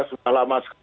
sudah lama sekali